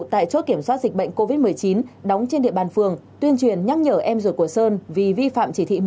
tại chốt kiểm soát dịch bệnh covid một mươi chín đóng trên địa bàn phường tuyên truyền nhắc nhở em ruột của sơn vì vi phạm chỉ thị một mươi